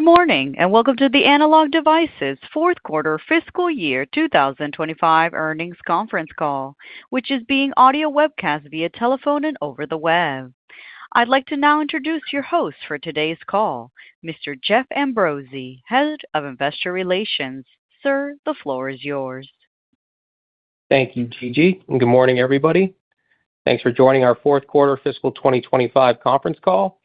Good morning and welcome to the Analog Devices Fourth Quarter Fiscal Year 2025 Earnings Conference Call, which is being audio webcast via telephone and over the web. I'd like to now introduce your host for today's call, Mr. Jeff Ambrosi, Head of Investor Relations. Sir, the floor is yours. Thank you, Gigi. Good morning, everybody. Thanks for joining our Fourth Quarter Fiscal 2025 Conference Call.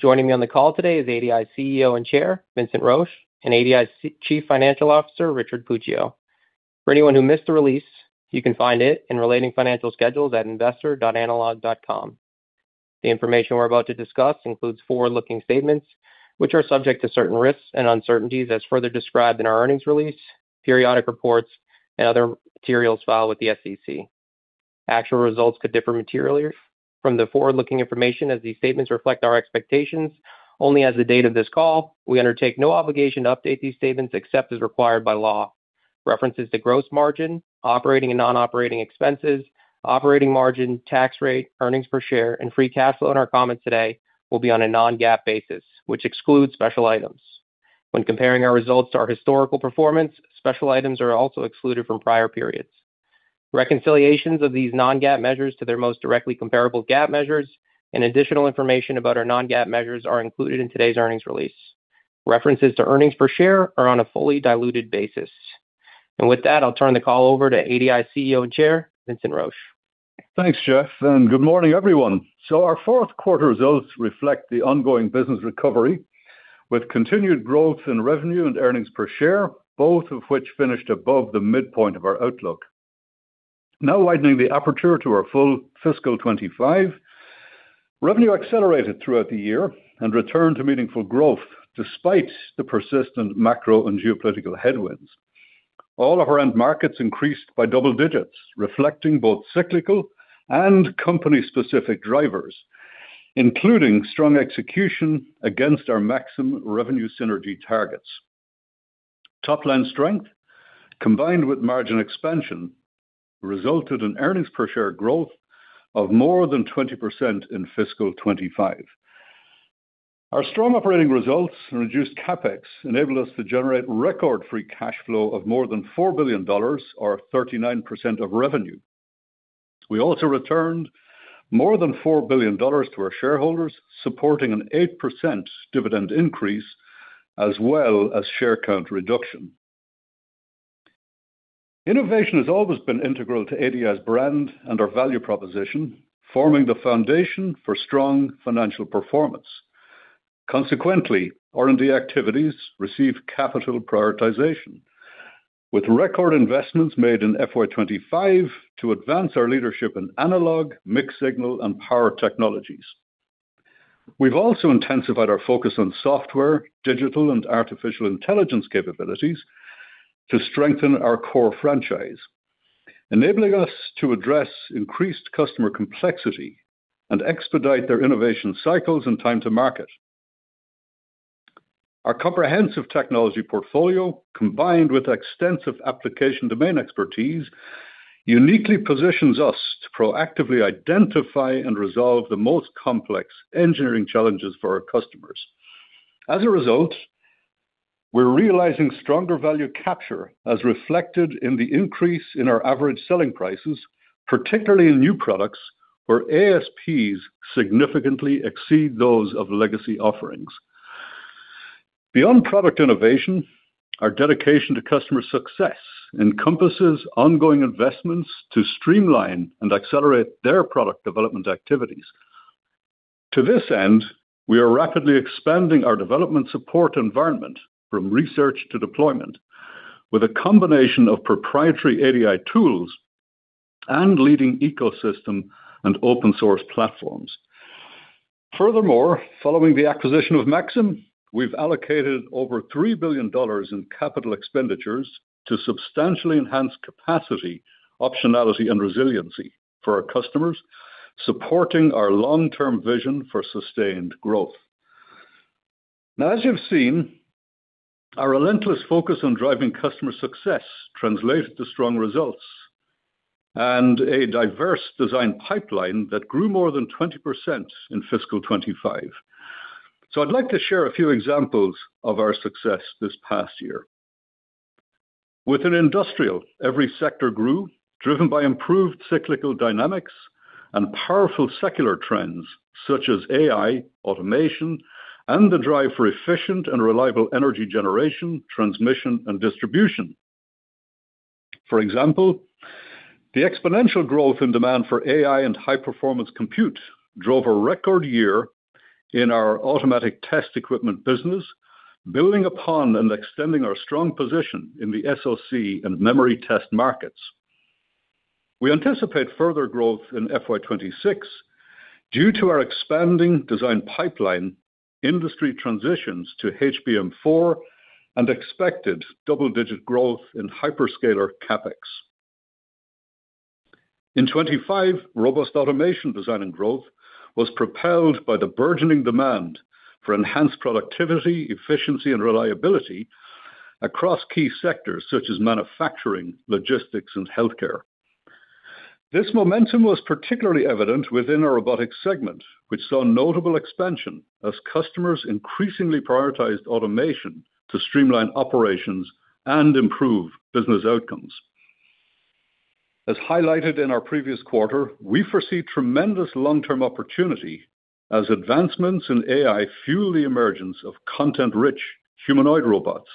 Joining me on the call today is ADI's CEO and Chair, Vincent Roche, and ADI's Chief Financial Officer, Richard Puccio. For anyone who missed the release, you can find it and related financial schedules at investor.analog.com. The information we're about to discuss includes forward-looking statements, which are subject to certain risks and uncertainties, as further described in our earnings release, periodic reports, and other materials filed with the SEC. Actual results could differ materially from the forward-looking information, as these statements reflect our expectations only as of the date of this call. We undertake no obligation to update these statements except as required by law. References to gross margin, operating and non-operating expenses, operating margin, tax rate, earnings per share, and free cash flow in our comments today will be on a non-GAAP basis, which excludes special items. When comparing our results to our historical performance, special items are also excluded from prior periods. Reconciliations of these non-GAAP measures to their most directly comparable GAAP measures and additional information about our non-GAAP measures are included in today's earnings release. References to earnings per share are on a fully diluted basis. With that, I'll turn the call over to ADI's CEO and Chair, Vincent Roche. Thanks, Jeff. Good morning, everyone. Our fourth quarter results reflect the ongoing business recovery, with continued growth in revenue and earnings per share, both of which finished above the midpoint of our outlook. Now widening the aperture to our full fiscal 2025, revenue accelerated throughout the year and returned to meaningful growth despite the persistent macro and geopolitical headwinds. All of our end markets increased by double digits, reflecting both cyclical and company-specific drivers, including strong execution against our maximum revenue synergy targets. Top-line strength, combined with margin expansion, resulted in earnings per share growth of more than 20% in fiscal 2025. Our strong operating results and reduced CapEx enabled us to generate record free cash flow of more than $4 billion, or 39% of revenue. We also returned more than $4 billion to our shareholders, supporting an 8% dividend increase as well as share count reduction. Innovation has always been integral to ADI's brand and our value proposition, forming the foundation for strong financial performance. Consequently, R&D activities receive capital prioritization, with record investments made in fiscal year 2025 to advance our leadership in analog, mixed-signal, and power technologies. We've also intensified our focus on software, digital, and artificial intelligence capabilities to strengthen our core franchise, enabling us to address increased customer complexity and expedite their innovation cycles and time to market. Our comprehensive technology portfolio, combined with extensive application domain expertise, uniquely positions us to proactively identify and resolve the most complex engineering challenges for our customers. As a result, we're realizing stronger value capture, as reflected in the increase in our average selling prices, particularly in new products where ASPs significantly exceed those of legacy offerings. Beyond product innovation, our dedication to customer success encompasses ongoing investments to streamline and accelerate their product development activities. To this end, we are rapidly expanding our development support environment from research to deployment, with a combination of proprietary ADI tools and leading ecosystem and open-source platforms. Furthermore, following the acquisition of Maxim, we've allocated over $3 billion in capital expenditures to substantially enhance capacity, optionality, and resiliency for our customers, supporting our long-term vision for sustained growth. As you've seen, our relentless focus on driving customer success translated to strong results and a diverse design pipeline that grew more than 20% in fiscal 2025. I'd like to share a few examples of our success this past year. Within industrial, every sector grew, driven by improved cyclical dynamics and powerful secular trends such as AI, automation, and the drive for efficient and reliable energy generation, transmission, and distribution. For example, the exponential growth in demand for AI and high-performance compute drove a record year in our Automatic Test Equipment business, building upon and extending our strong position in the SoC and memory test markets. We anticipate further growth in FY 2026 due to our expanding design pipeline, industry transitions to HBM4, and expected double-digit growth in hyperscaler CapEx. In 2025, robust automation design and growth was propelled by the burgeoning demand for enhanced productivity, efficiency, and reliability across key sectors such as manufacturing, logistics, and healthcare. This momentum was particularly evident within our robotics segment, which saw notable expansion as customers increasingly prioritized automation to streamline operations and improve business outcomes. As highlighted in our previous quarter, we foresee tremendous long-term opportunity as advancements in AI fuel the emergence of content-rich humanoid robots,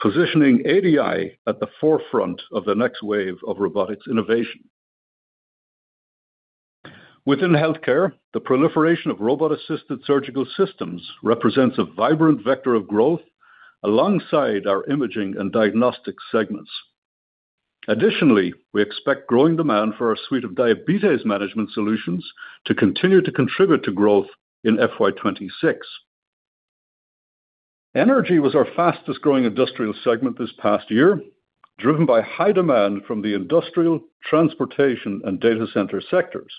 positioning ADI at the forefront of the next wave of robotics innovation. Within healthcare, the proliferation of Robot-Assisted Surgical systems represents a vibrant vector of growth alongside our imaging and diagnostic segments. Additionally, we expect growing demand for our suite of diabetes management solutions to continue to contribute to growth in fiscal year 2026. Energy was our fastest-growing industrial segment this past year, driven by high demand from the industrial, transportation, and data center sectors.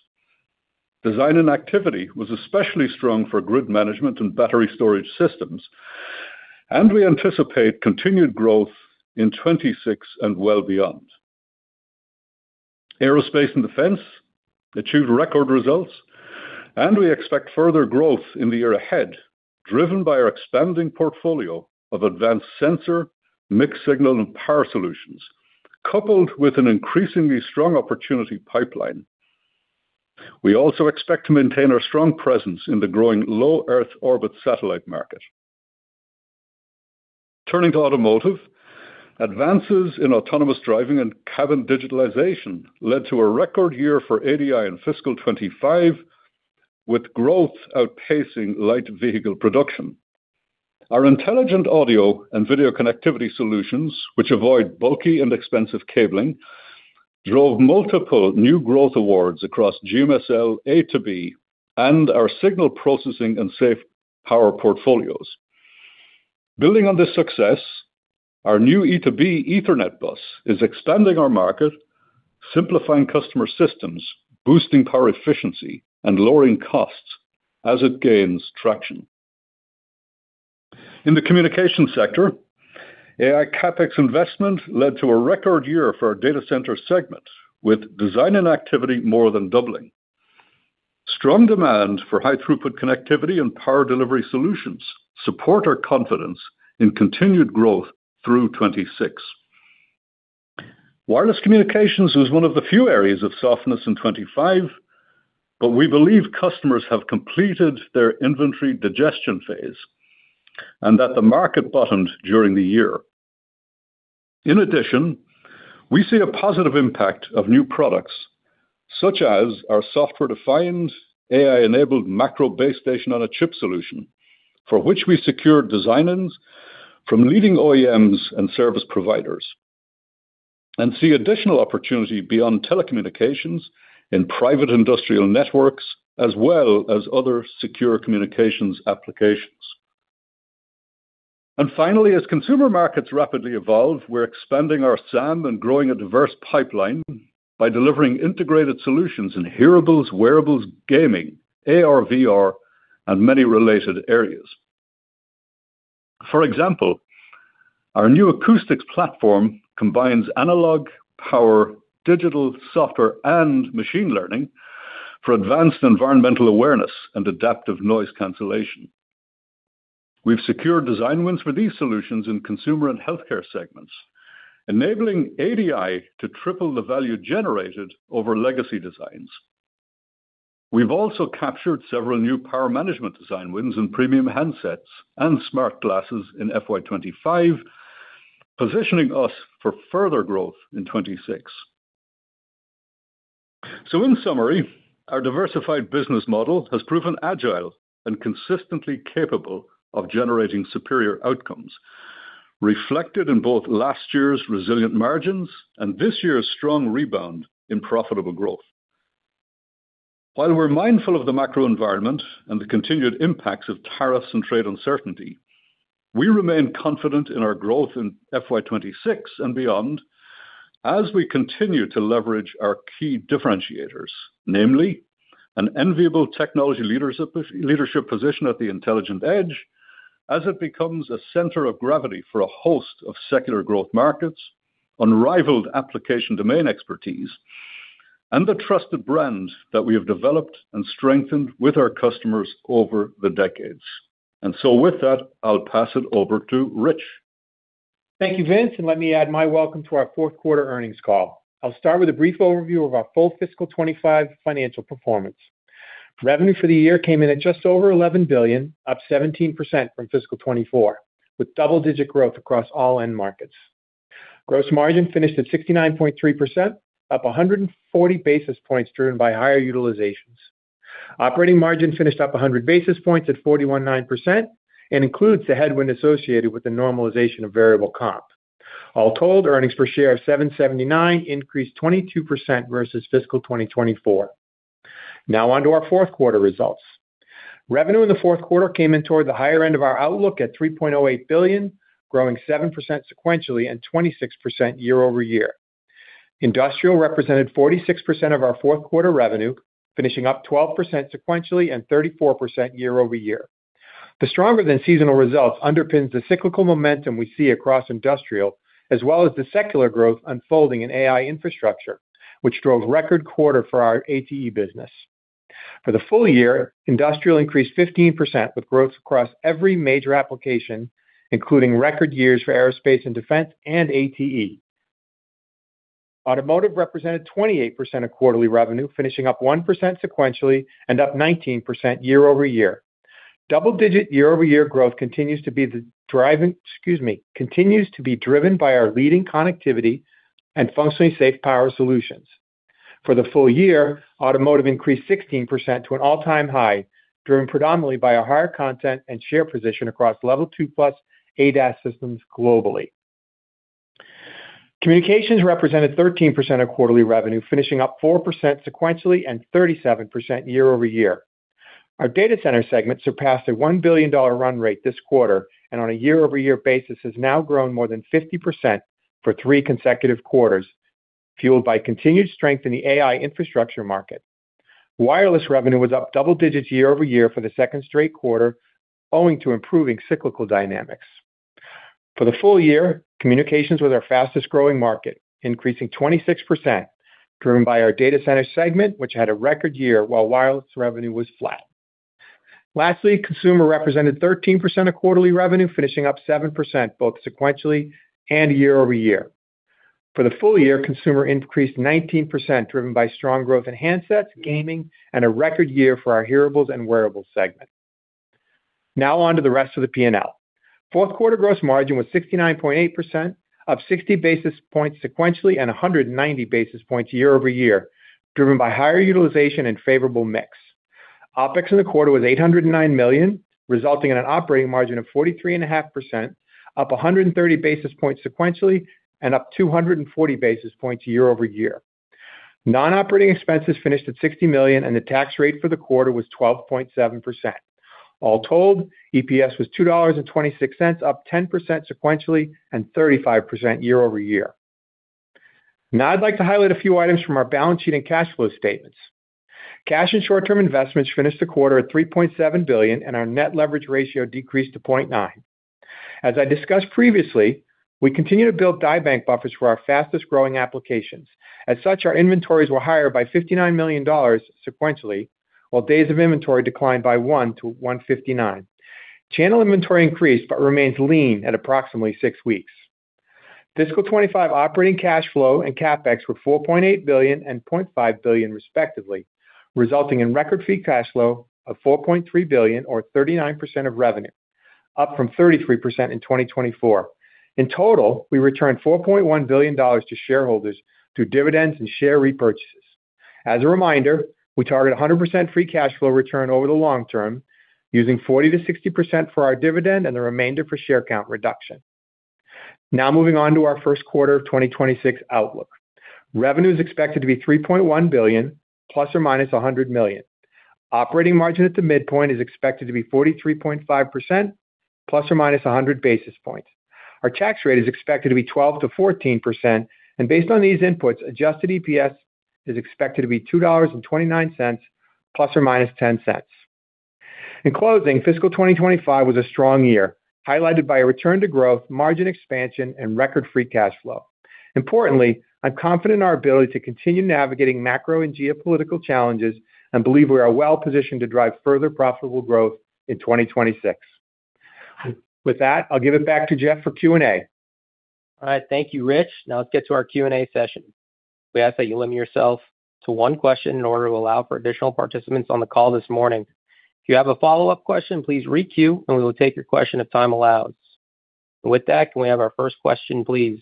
Design and activity was especially strong for grid management and battery storage systems, and we anticipate continued growth in 2026 and well beyond. Aerospace and Defense achieved record results, and we expect further growth in the year ahead, driven by our expanding portfolio of advanced sensor, mixed-signal, and power solutions, coupled with an increasingly strong opportunity pipeline. We also expect to maintain our strong presence in the growing Low Earth Orbit satellite market. Turning to automotive, advances in autonomous driving and cabin digitalization led to a record year for ADI in fiscal 2025, with growth outpacing light vehicle production. Our intelligent audio and video connectivity solutions, which avoid bulky and expensive cabling, drove multiple new growth awards across GMSL A to B and our signal processing and safe power portfolios. Building on this success, our new E to B Ethernet bus is expanding our market, simplifying customer systems, boosting power efficiency, and lowering costs as it gains traction. In the communication sector, AI CapEx investment led to a record year for our data center segment, with design and activity more than doubling. Strong demand for high-throughput connectivity and power delivery solutions support our confidence in continued growth through 2026. Wireless communications was one of the few areas of softness in 2025, but we believe customers have completed their inventory digestion phase and that the market bottomed during the year. In addition, we see a positive impact of new products such as our software-defined, AI-enabled macro base station on a chip solution, for which we secured design-ins from leading OEMs and service providers, and see additional opportunity beyond telecommunications in private industrial networks, as well as other secure communications applications. Finally, as consumer markets rapidly evolve, we're expanding our SAM and growing a diverse pipeline by delivering integrated solutions in hearables, wearables, gaming, AR/VR, and many related areas. For example, our new Acoustics Platform combines analog, power, digital, software, and Machine Learning for advanced environmental awareness and adaptive noise cancellation. We've secured design wins for these solutions in consumer and healthcare segments, enabling ADI to triple the value generated over legacy designs. We've also captured several new power management design wins in premium handsets and smart glasses in fiscal year 2025, positioning us for further growth in 2026. In summary, our diversified business model has proven agile and consistently capable of generating superior outcomes, reflected in both last year's resilient margins and this year's strong rebound in profitable growth. While we're mindful of the macro environment and the continued impacts of tariffs and trade uncertainty, we remain confident in our growth in FY 2026 and beyond as we continue to leverage our key differentiators, namely an enviable technology leadership position at the intelligent edge as it becomes a center of gravity for a host of secular growth markets, unrivaled application domain expertise, and the trusted brand that we have developed and strengthened with our customers over the decades. With that, I'll pass it over to Rich. Thank you, Vince. Let me add my welcome to our fourth quarter earnings call. I'll start with a brief overview of our full fiscal 2025 financial performance. Revenue for the year came in at just over $11 billion, up 17% from fiscal 2024, with double-digit growth across all end markets. Gross margin finished at 69.3%, up 140 basis points driven by higher utilizations. Operating margin finished up 100 basis points at 41.9% and includes the headwind associated with the normalization of variable comp. All told, earnings per share of $7.79 increased 22% versus fiscal 2024. Now on to our fourth quarter results. Revenue in the fourth quarter came in toward the higher end of our outlook at $3.08 billion, growing 7% sequentially and 26% year-over-year. Industrial represented 46% of our fourth quarter revenue, finishing up 12% sequentially and 34% year-over-year. The stronger-than-seasonal results underpins the cyclical momentum we see across industrial, as well as the secular growth unfolding in AI infrastructure, which drove record quarter for our ATE business. For the full year, industrial increased 15% with growth across every major application, including record years for Aerospace and Defense and ATE. Automotive represented 28% of quarterly revenue, finishing up 1% sequentially and up 19% year-over-year. Double-digit year-over-year growth continues to be the driving, excuse me, continues to be driven by our leading connectivity and functionally safe power solutions. For the full year, automotive increased 16% to an all-time high, driven predominantly by our higher content and share position across Level 2+ ADAS systems globally. Communications represented 13% of quarterly revenue, finishing up 4% sequentially and 37% year-over-year. Our data center segment surpassed a $1 billion run rate this quarter and, on a year-over-year basis, has now grown more than 50% for three consecutive quarters, fueled by continued strength in the AI infrastructure market. Wireless revenue was up double digits year-over-year for the second straight quarter, owing to improving cyclical dynamics. For the full year, communications was our fastest-growing market, increasing 26%, driven by our data center segment, which had a record year, while wireless revenue was flat. Lastly, consumer represented 13% of quarterly revenue, finishing up 7% both sequentially and year-over-year. For the full year, consumer increased 19%, driven by strong growth in handsets, gaming, and a record year for our hearables and wearables segment. Now on to the rest of the P&L. Fourth quarter gross margin was 69.8%, up 60 basis points sequentially and 190 basis points year-over-year, driven by higher utilization and favorable mix. OpEx in the quarter was $809 million, resulting in an operating margin of 43.5%, up 130 basis points sequentially and up 240 basis points year-over-year. Non-operating expenses finished at $60 million, and the tax rate for the quarter was 12.7%. All told, EPS was $2.26, up 10% sequentially and 35% year-over-year. Now I'd like to highlight a few items from our balance sheet and cash flow statements. Cash and short-term investments finished the quarter at $3.7 billion, and our net leverage ratio decreased to 0.9. As I discussed previously, we continue to build dye bank buffers for our fastest-growing applications. As such, our inventories were higher by $59 million sequentially, while days of inventory declined by $1 million to $159 milion. Channel inventory increased but remains lean at approximately six weeks. Fiscal 2025 operating cash flow and CapEx were $4.8 billion and $0.5 billion, respectively, resulting in record free cash flow of $4.3 billion, or 39% of revenue, up from 33% in 2024. In total, we returned $4.1 billion to shareholders through dividends and share repurchases. As a reminder, we target 100% free cash flow return over the long term, using 40%-60% for our dividend and the remainder for share count reduction. Now moving on to our first quarter of 2026 outlook. Revenue is expected to be $3.1 billion±, $100 million. Operating margin at the midpoint is expected to be 43.5%, ±100 basis points. Our tax rate is expected to be 12%-14%, and based on these inputs, adjusted EPS is expected to be $2.29,± $0.10. In closing, fiscal 2025 was a strong year, highlighted by a return to growth, margin expansion, and record free cash flow. Importantly, I'm confident in our ability to continue navigating macro and geopolitical challenges and believe we are well positioned to drive further profitable growth in 2026. With that, I'll give it back to Jeff for Q&A. All right. Thank you, Rich. Now let's get to our Q&A session. We ask that you limit yourself to one question in order to allow for additional participants on the call this morning. If you have a follow-up question, please re-queue, and we will take your question if time allows. With that, can we have our first question, please?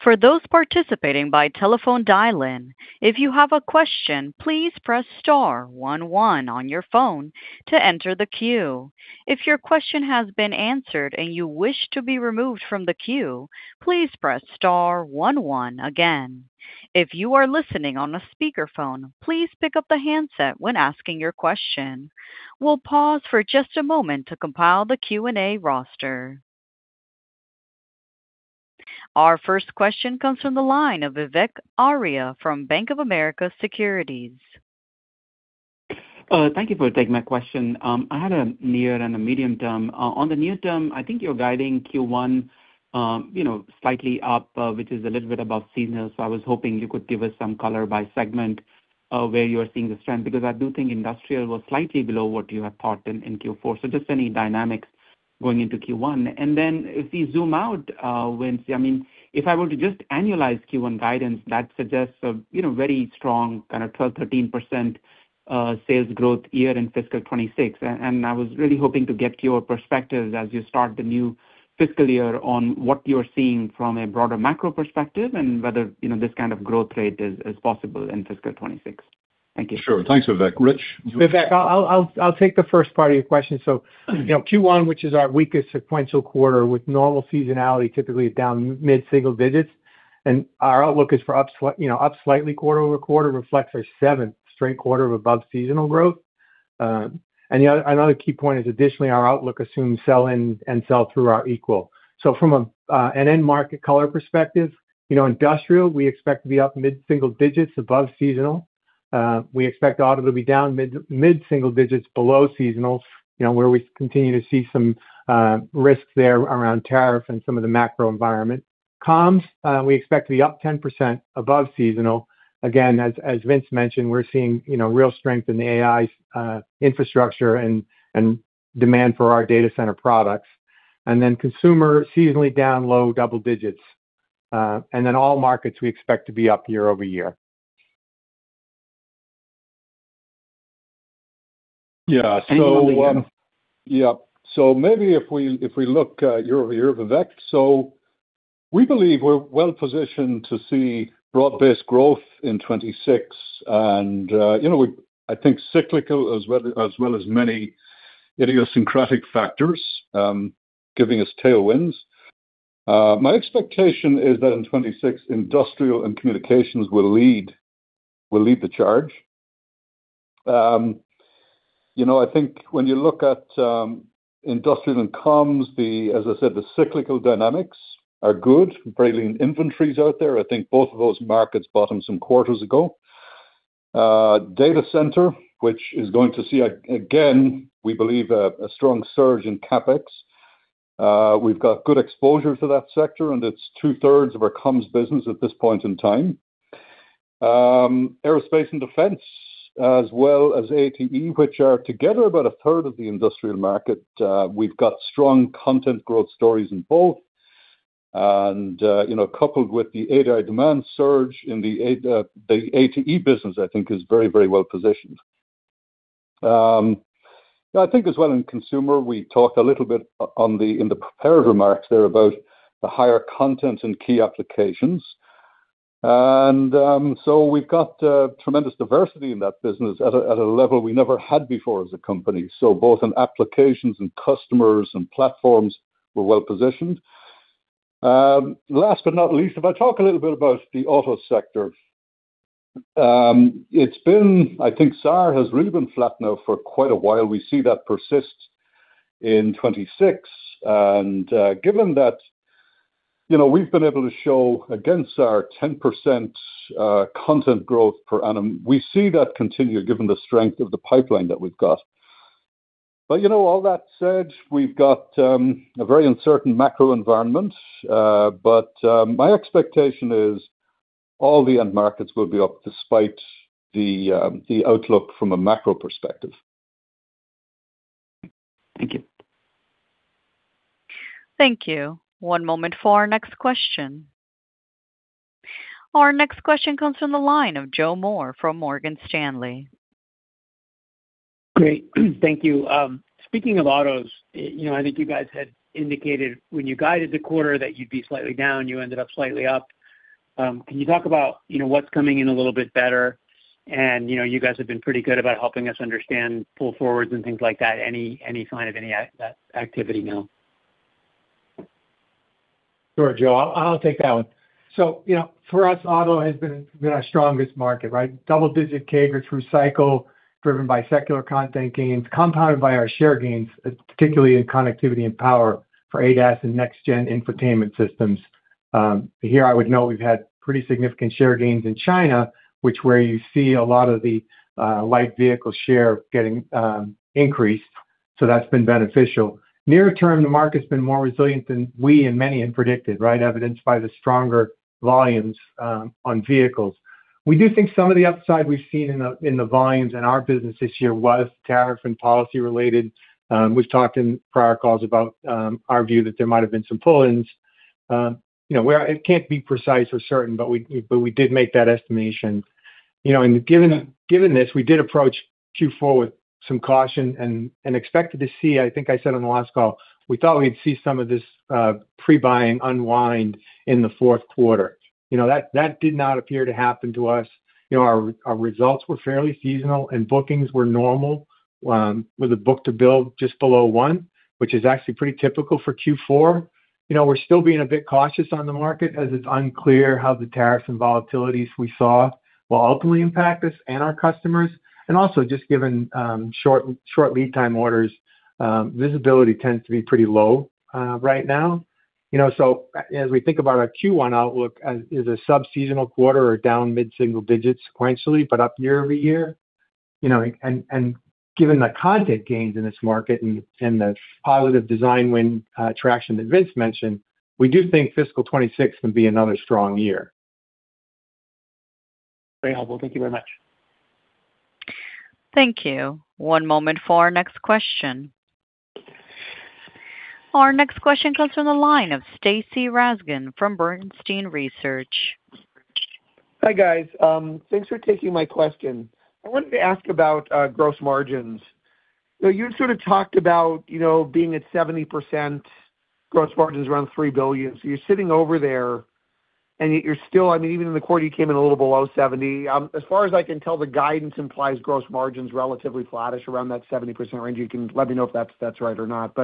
For those participating by telephone dial-in, if you have a question, please press star one one on your phone to enter the queue. If your question has been answered and you wish to be removed from the queue, please press star one one again. If you are listening on a speakerphone, please pick up the handset when asking your question. We will pause for just a moment to compile the Q&A roster. Our first question comes from the line of Vivek Arya from Bank of America Securities. Thank you for taking my question. I had a near and a medium term. On the near term, I think you're guiding Q1 slightly up, which is a little bit above seasonal. I was hoping you could give us some color by segment where you are seeing the strength, because I do think industrial was slightly below what you had thought in Q4. Just any dynamics going into Q1. If we zoom out, Vince, I mean, if I were to just annualize Q1 guidance, that suggests a very strong kind of 12%-13% sales growth year in fiscal 2026. I was really hoping to get your perspective as you start the new fiscal year on what you're seeing from a broader macro perspective and whether this kind of growth rate is possible in fiscal 2026. Thank you. Sure. Thanks, Vivek. Rich? Vivek, I'll take the first part of your question. Q1, which is our weakest sequential quarter with normal seasonality, typically down mid-single digits. Our outlook is for up slightly quarter over quarter, reflects our seventh straight quarter of above seasonal growth. Another key point is, additionally, our outlook assumes sell-in and sell-through are equal. From an end market color perspective, industrial, we expect to be up mid-single digits above seasonal. We expect auto to be down mid-single digits below seasonal, where we continue to see some risk there around tariff and some of the macro environment. Coms, we expect to be up 10% above seasonal. Again, as Vince mentioned, we're seeing real strength in the AI infrastructure and demand for our data center products. Consumer seasonally down low double digits. All markets, we expect to be up year-over-year. Yeah. Maybe if we look year-over-year, Vivek, we believe we're well positioned to see broad-based growth in 2026. I think cyclical, as well as many idiosyncratic factors, are giving us tailwinds. My expectation is that in 2026, industrial and communications will lead the charge. I think when you look at industrial and coms, as I said, the cyclical dynamics are good. Very lean inventories out there. I think both of those markets bottomed some quarters ago. Data center, which is going to see, again, we believe, a strong surge in CapEx. We've got good exposure to that sector, and it's two-thirds of our coms business at this point in time. Aerospace and Defense, as well as ATE, which are together about a third of the industrial market. We've got strong content growth stories in both. Coupled with the ADI demand surge in the ATE business, I think it is very, very well positioned. I think as well in consumer, we talked a little bit in the preparatory marks there about the higher content and key applications. We have tremendous diversity in that business at a level we never had before as a company. Both in applications and customers and platforms, we are well positioned. Last but not least, if I talk a little bit about the auto sector, it has been, I think, SAR has really been flat now for quite a while. We see that persist in 2026. Given that we have been able to show against our 10% content growth per annum, we see that continue given the strength of the pipeline that we have. All that said, we have a very uncertain macro environment. My expectation is all the end markets will be up despite the outlook from a macro perspective. Thank you. Thank you. One moment for our next question. Our next question comes from the line of Joe Moore from Morgan Stanley. Great. Thank you. Speaking of autos, I think you guys had indicated when you guided the quarter that you'd be slightly down. You ended up slightly up. Can you talk about what's coming in a little bit better? You guys have been pretty good about helping us understand pull forwards and things like that. Any sign of any activity now? Sure, Joe. I'll take that one. For us, auto has been our strongest market, right? Double-digit CAGR through cycle driven by secular content gains, compounded by our share gains, particularly in connectivity and power for ADAS and next-gen infotainment systems. Here, I would note we've had pretty significant share gains in China, which is where you see a lot of the light vehicle share getting increased. That's been beneficial. Near term, the market's been more resilient than we and many had predicted, right? Evidenced by the stronger volumes on vehicles. We do think some of the upside we've seen in the volumes in our business this year was tariff and policy-related. We've talked in prior calls about our view that there might have been some pull-ins. It can't be precise or certain, but we did make that estimation. Given this, we did approach Q4 with some caution and expected to see, I think I said on the last call, we thought we'd see some of this pre-buying unwind in the fourth quarter. That did not appear to happen to us. Our results were fairly seasonal, and bookings were normal with a book-to-build just below one, which is actually pretty typical for Q4. We are still being a bit cautious on the market as it is unclear how the tariffs and volatilities we saw will ultimately impact us and our customers. Also, just given short lead time orders, visibility tends to be pretty low right now. As we think about our Q1 outlook, is a sub-seasonal quarter or down mid-single digits sequentially, but up year-over-year? Given the content gains in this market and the positive design win traction that Vince mentioned, we do think fiscal 2026 can be another strong year. Very helpful. Thank you very much. Thank you. One moment for our next question. Our next question comes from the line of Stacy Rasgon from Bernstein Research. Hi guys. Thanks for taking my question. I wanted to ask about gross margins. You sort of talked about being at 70% gross margins, around $3 billion. You're sitting over there, and you're still, I mean, even in the quarter, you came in a little below 70%. As far as I can tell, the guidance implies gross margins relatively flattish around that 70% range. You can let me know if that's right or not.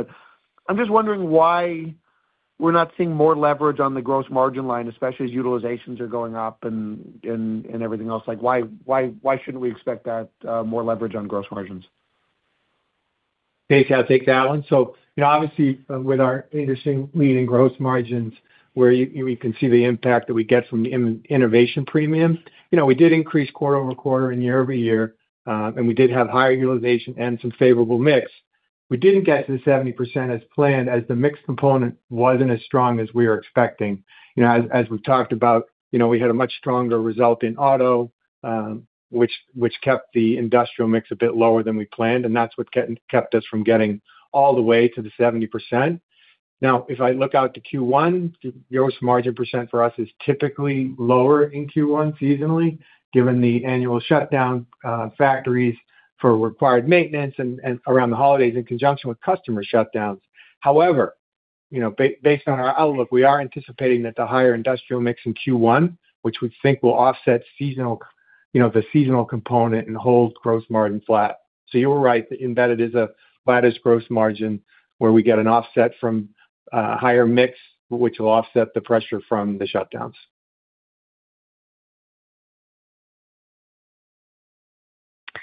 I'm just wondering why we're not seeing more leverage on the gross margin line, especially as utilizations are going up and everything else. Why shouldn't we expect more leverage on gross margins? Okay. Can I take that one? Obviously, with our interesting leading gross margins, we can see the impact that we get from the innovation premium. We did increase quarter over quarter and year-over-year, and we did have higher utilization and some favorable mix. We did not get to the 70% as planned as the mix component was not as strong as we were expecting. As we have talked about, we had a much stronger result in auto, which kept the industrial mix a bit lower than we planned, and that is what kept us from getting all the way to the 70%. Now, if I look out to Q1, gross margin percent for us is typically lower in Q1 seasonally, given the annual shutdown factories for required maintenance and around the holidays in conjunction with customer shutdowns. However, based on our outlook, we are anticipating that the higher industrial mix in Q1, which we think will offset the seasonal component and hold gross margin flat. You were right that embedded is a flattish gross margin where we get an offset from higher mix, which will offset the pressure from the shutdowns.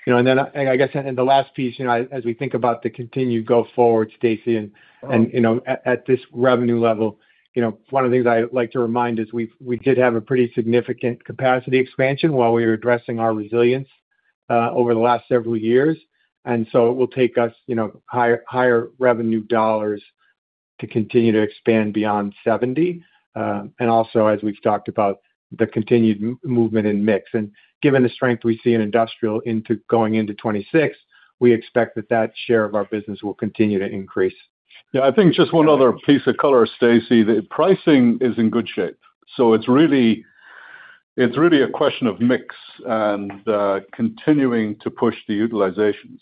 I guess in the last piece, as we think about the continued go forward, Stacy, and at this revenue level, one of the things I like to remind is we did have a pretty significant capacity expansion while we were addressing our resilience over the last several years. It will take us higher revenue dollars to continue to expand beyond 70%. Also, as we have talked about, the continued movement in mix. Given the strength we see in industrial into going into 2026, we expect that that share of our business will continue to increase. Yeah. I think just one other piece of color, Stacy, that pricing is in good shape. It is really a question of mix and continuing to push the utilizations.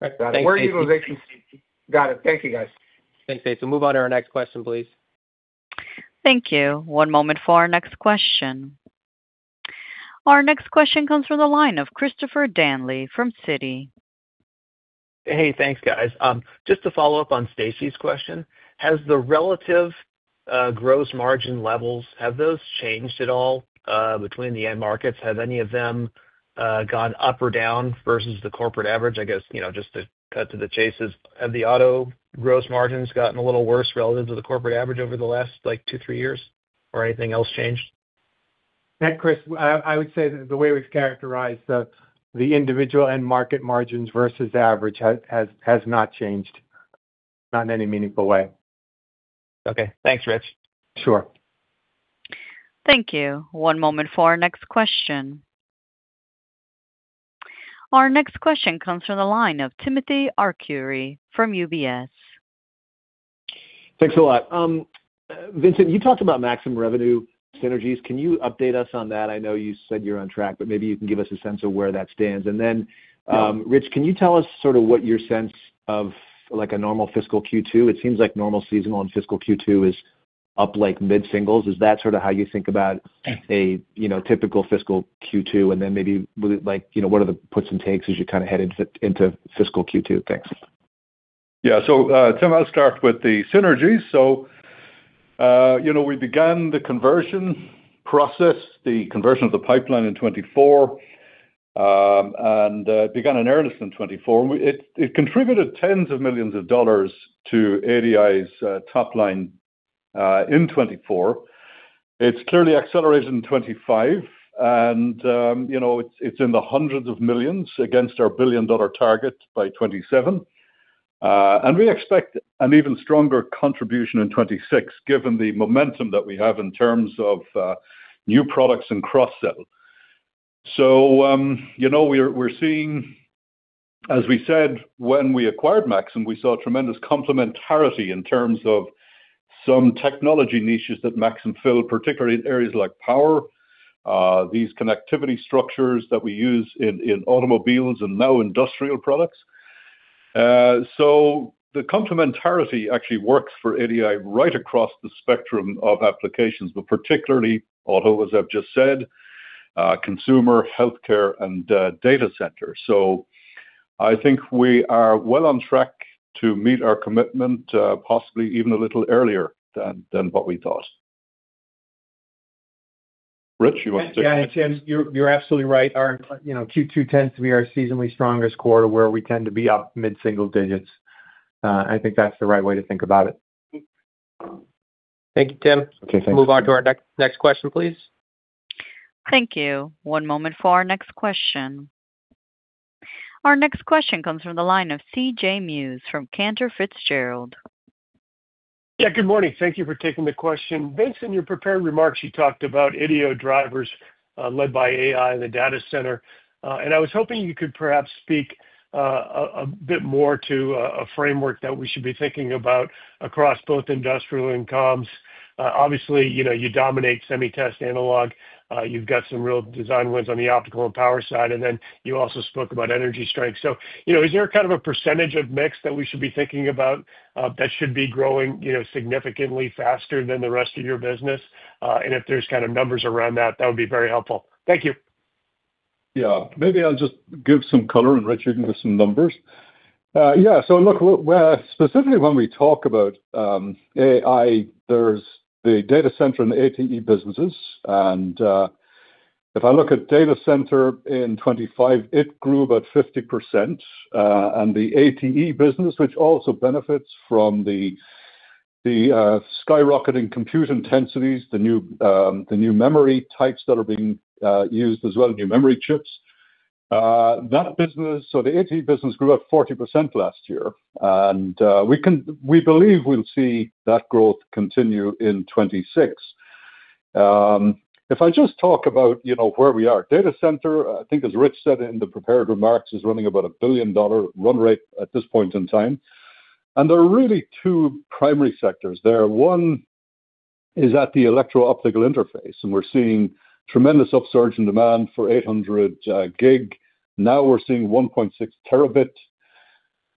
Thank you. Got it. Thank you, guys. Thanks, Stacy. Move on to our next question, please. Thank you. One moment for our next question. Our next question comes from the line of Christopher Danely from Citi. Hey, thanks, guys. Just to follow up on Stacy's question, has the relative gross margin levels, have those changed at all between the end markets? Have any of them gone up or down versus the corporate average? I guess just to cut to the chase, have the auto gross margins gotten a little worse relative to the corporate average over the last two, three years? Or anything else changed? Chris, I would say that the way we've characterized the individual end market margins versus average has not changed, not in any meaningful way. Okay. Thanks, Rich. Sure. Thank you. One moment for our next question. Our next question comes from the line of Timothy Arcuri from UBS. Thanks a lot. Vincent, you talked about maximum revenue synergies. Can you update us on that? I know you said you're on track, but maybe you can give us a sense of where that stands. Rich, can you tell us sort of what your sense of a normal fiscal Q2 is? It seems like normal seasonal and fiscal Q2 is up like mid-singles. Is that sort of how you think about a typical fiscal Q2? Maybe what are the puts and takes as you kind of head into fiscal Q2? Thanks. Yeah. Tim, I'll start with the synergies. We began the conversion process, the conversion of the pipeline in 2024, and began in earnest in 2024. It contributed tens of millions of dollars to ADI's top line in 2024. It's clearly accelerated in 2025, and it's in the hundreds of millions against our billion-dollar target by 2027. We expect an even stronger contribution in 2026, given the momentum that we have in terms of new products and cross-sell. We're seeing, as we said, when we acquired Maxim, we saw tremendous complementarity in terms of some technology niches that Maxim filled, particularly in areas like power, these connectivity structures that we use in automobiles and now industrial products. The complementarity actually works for ADI right across the spectrum of applications, but particularly auto, as I've just said, consumer, healthcare, and data centers. I think we are well on track to meet our commitment, possibly even a little earlier than what we thought. Rich, you want to take that? Yeah. Tim, you're absolutely right. Q2 tends to be our seasonally strongest quarter, where we tend to be up mid-single digits. I think that's the right way to think about it. Thank you, Tim. We'll move on to our next question, please. Thank you. One moment for our next question. Our next question comes from the line of CJ Muse from Cantor Fitzgerald. Yeah. Good morning. Thank you for taking the question. Vincent, in your prepared remarks, you talked about IDE drivers led by AI in the data center. I was hoping you could perhaps speak a bit more to a framework that we should be thinking about across both industrial and comms. Obviously, you dominate semi-test analog. You've got some real design wins on the optical and power side. You also spoke about energy strength. Is there kind of a percentage of mix that we should be thinking about that should be growing significantly faster than the rest of your business? If there's kind of numbers around that, that would be very helpful. Thank you. Yeah. Maybe I'll just give some color and Richard with some numbers. Yeah. Look, specifically when we talk about AI, there's the data center and the ATE businesses. If I look at data center in 2025, it grew about 50%. The ATE business, which also benefits from the skyrocketing compute intensities, the new memory types that are being used as well, new memory chips, that business, so the ATE business grew up 40% last year. We believe we'll see that growth continue in 2026. If I just talk about where we are, data center, I think, as Rich said in the prepared remarks, is running about a billion-dollar run rate at this point in time. There are really two primary sectors there. One is at the electro-optical interface, and we're seeing tremendous upsurge in demand for 800 Gb. Now we're seeing 1.6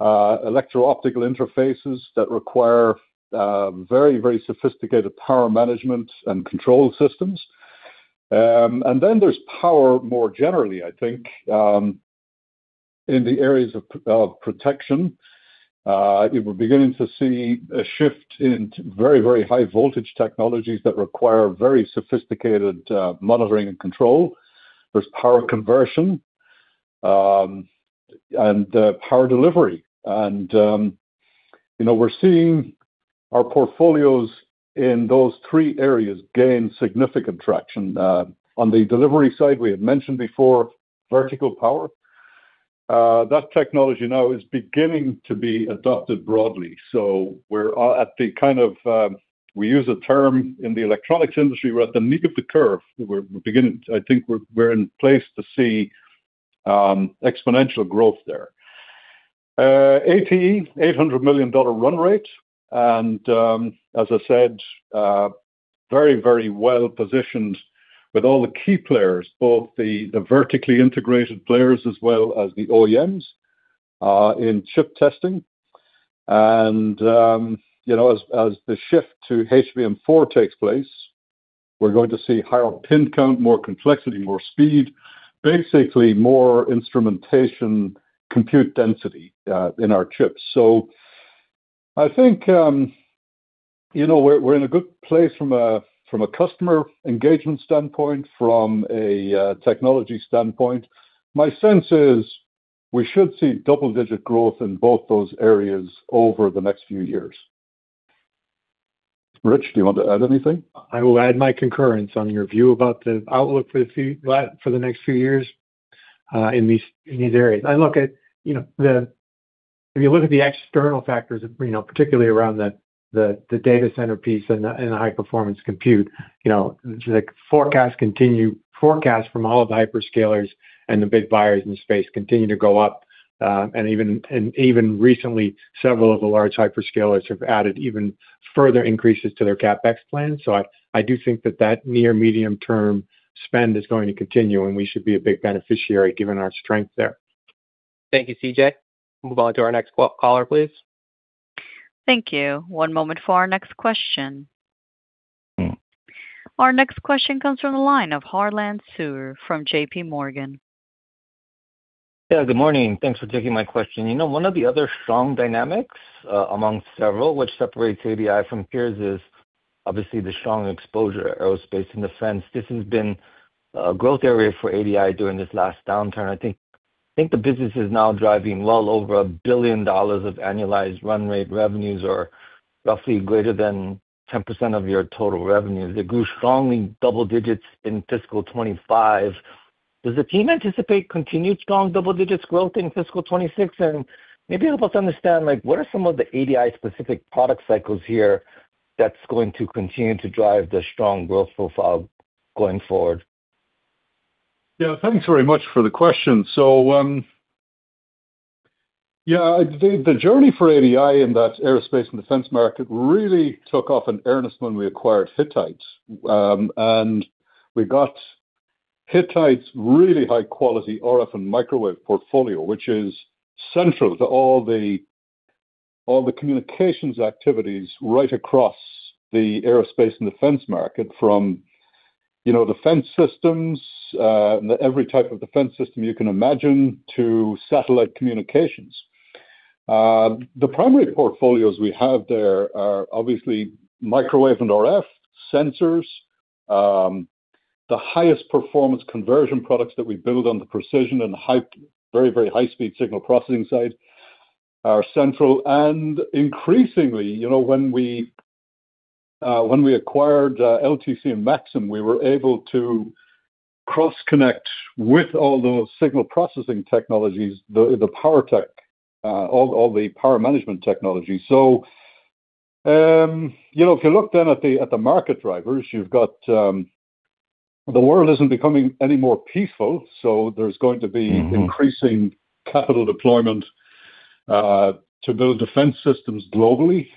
Tb electro-optical interfaces that require very, very sophisticated power management and control systems. There is power more generally, I think, in the areas of protection. We're beginning to see a shift in very, very high voltage technologies that require very sophisticated monitoring and control. There is power conversion and power delivery. We're seeing our portfolios in those three areas gain significant traction. On the delivery side, we had mentioned before, vertical power. That technology now is beginning to be adopted broadly. We're at the kind of, we use a term in the electronics industry, we're at the knee of the curve. I think we're in place to see exponential growth there. ATE, $800 million run rate. As I said, very, very well positioned with all the key players, both the vertically integrated players as well as the OEMs in chip testing. As the shift to HBM4 takes place, we're going to see higher pin count, more complexity, more speed, basically more instrumentation compute density in our chips. I think we're in a good place from a customer engagement standpoint, from a technology standpoint. My sense is we should see double-digit growth in both those areas over the next few years. Rich, do you want to add anything? I will add my concurrence on your view about the outlook for the next few years in these areas. Look, if you look at the external factors, particularly around the data center piece and the high-performance compute, the forecast from all of the hyperscalers and the big buyers in the space continue to go up. Even recently, several of the large hyperscalers have added even further increases to their CapEx plans. I do think that that near-medium-term spend is going to continue, and we should be a big beneficiary given our strength there. Thank you, CJ Move on to our next caller, please. Thank you. One moment for our next question. Our next question comes from the line of Harlan Suhr from JPMorgan. Yeah. Good morning. Thanks for taking my question. One of the other strong dynamics among several which separates ADI from peers is obviously the strong exposure to Aerospace and Defense. This has been a growth area for ADI during this last downturn. I think the business is now driving well over $1 billion of annualized run rate revenues or roughly greater than 10% of your total revenues. It grew strongly double-digits in fiscal 2025. Does the team anticipate continued strong double digits growth in fiscal 2026? Maybe help us understand what are some of the ADI-specific product cycles here that's going to continue to drive the strong growth profile going forward? Yeah. Thanks very much for the question. Yeah, the journey for ADI in that Aerospace and Defense market really took off in earnest when we acquired Hittite. We got Hittite's really high-quality RF and microwave portfolio, which is central to all the communications activities right across the Aerospace and Defense market, from defense systems, every type of defense system you can imagine, to satellite communications. The primary portfolios we have there are obviously microwave and RF sensors. The highest performance conversion products that we build on the precision and very, very high-speed signal processing side are central. Increasingly, when we acquired LTC and Maxim, we were able to cross-connect with all those signal processing technologies, the power tech, all the power management technologies. If you look then at the market drivers, you've got the world isn't becoming any more peaceful. There is going to be increasing capital deployment to build defense systems globally.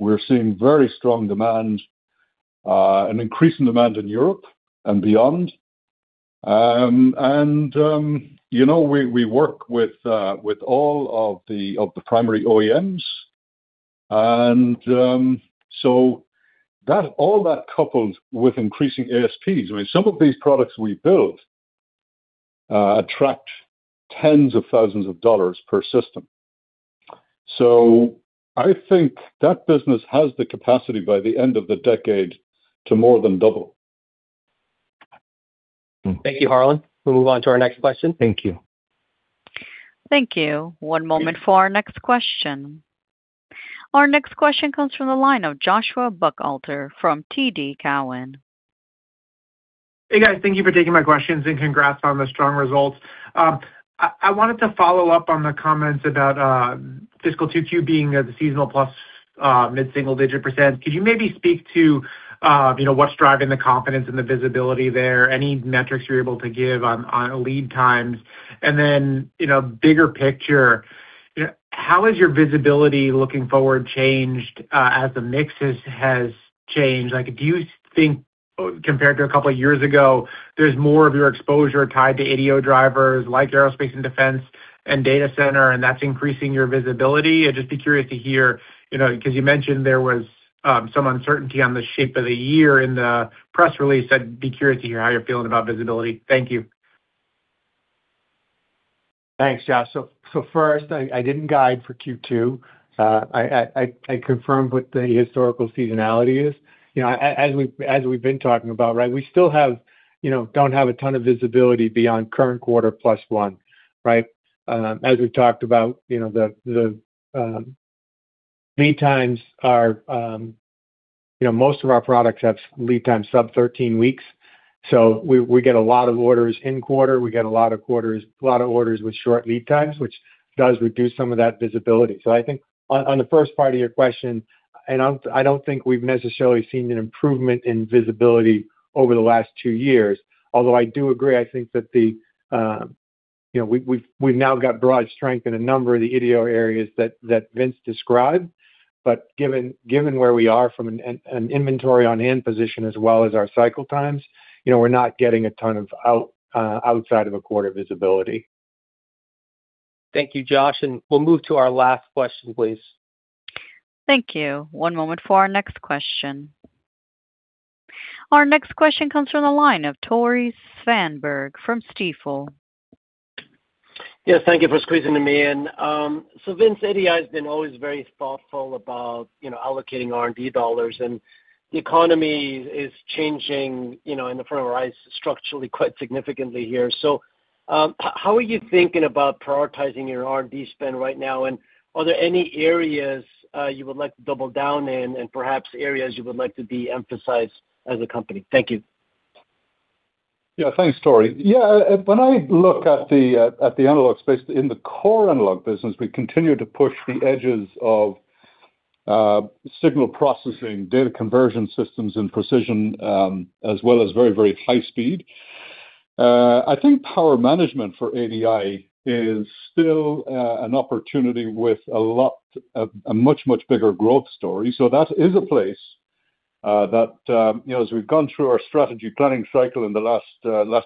We are seeing very strong demand, an increasing demand in Europe and beyond. We work with all of the primary OEMs. All that, coupled with increasing ASPs, I mean, some of these products we build attract tens of thousands of dollars per system. I think that business has the capacity by the end of the decade to more than double. Thank you, Harlan. We'll move on to our next question. Thank you. Thank you. One moment for our next question. Our next question comes from the line of Joshua Buchalter from TD Cowen. Hey, guys. Thank you for taking my questions and congrats on the strong results. I wanted to follow up on the comments about fiscal Q2 being a seasonal plus mid-single digit percent. Could you maybe speak to what's driving the confidence and the visibility there? Any metrics you're able to give on lead times? Bigger picture, how has your visibility looking forward changed as the mix has changed? Do you think compared to a couple of years ago, there's more of your exposure tied to ADI drivers like Aerospace and Defense and data center, and that's increasing your visibility? I'd just be curious to hear because you mentioned there was some uncertainty on the shape of the year in the press release. I'd be curious to hear how you're feeling about visibility. Thank you. Thanks, Josh. First, I didn't guide for Q2. I confirmed what the historical seasonality is. As we've been talking about, right, we still don't have a ton of visibility beyond current quarter plus one, right? As we've talked about, the lead times are most of our products have lead times sub-13 weeks. We get a lot of orders in quarter. We get a lot of orders with short lead times, which does reduce some of that visibility. I think on the first part of your question, and I don't think we've necessarily seen an improvement in visibility over the last two years, although I do agree, I think that we've now got broad strength in a number of the ADI areas that Vince described. Given where we are from an inventory on hand position as well as our cycle times, we're not getting a ton of outside of a quarter visibility. Thank you, Josh. We will move to our last question, please. Thank you. One moment for our next question. Our next question comes from the line of Tore Svanberg from Stifel. Yeah. Thank you for squeezing me in. Vince, ADI has been always very thoughtful about allocating R&D dollars. The economy is changing in the front of our eyes structurally quite significantly here. How are you thinking about prioritizing your R&D spend right now? Are there any areas you would like to double down in and perhaps areas you would like to de-emphasize as a company? Thank you. Yeah. Thanks, Tore. Yeah. When I look at the analog space, in the core analog business, we continue to push the edges of signal processing, data conversion systems, and precision as well as very, very high speed. I think power management for ADI is still an opportunity with a much, much bigger growth story. That is a place that, as we've gone through our strategy planning cycle in the last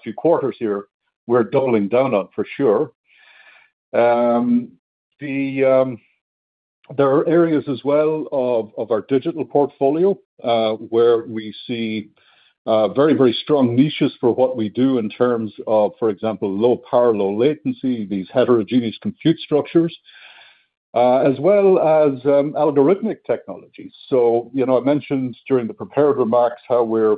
few quarters here, we're doubling down on for sure. There are areas as well of our digital portfolio where we see very, very strong niches for what we do in terms of, for example, low power, low latency, these heterogeneous compute structures, as well as algorithmic technologies. I mentioned during the prepared remarks how we're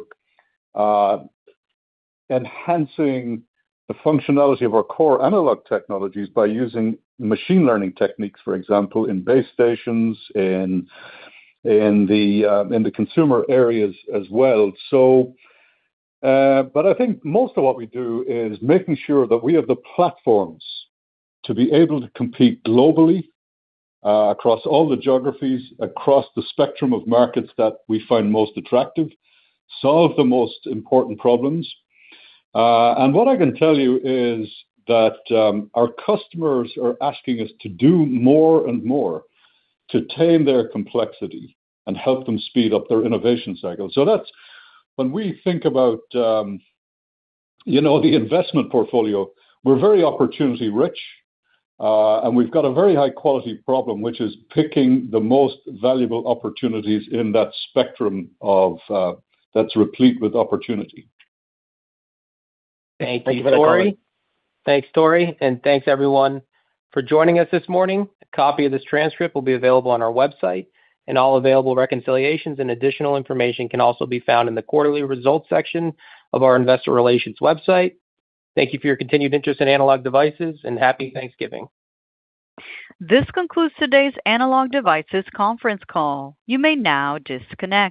enhancing the functionality of our core analog technologies by using Machine Learning techniques, for example, in base stations, in the consumer areas as well. I think most of what we do is making sure that we have the platforms to be able to compete globally across all the geographies, across the spectrum of markets that we find most attractive, solve the most important problems. What I can tell you is that our customers are asking us to do more and more to tame their complexity and help them speed up their innovation cycle. When we think about the investment portfolio, we're very opportunity-rich. We've got a very high-quality problem, which is picking the most valuable opportunities in that spectrum that's replete with opportunity. Thank you for the call. Thanks, Tore. Thanks, Torrey. Thanks, everyone, for joining us this morning. A copy of this transcript will be available on our website. All available reconciliations and additional information can also be found in the quarterly results section of our investor relations website. Thank you for your continued interest in Analog Devices, and happy Thanksgiving. This concludes today's Analog Devices conference call. You may now disconnect.